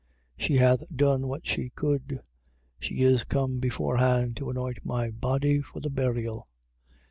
14:8. She hath done what she could: she is come beforehand to anoint my body for the burial.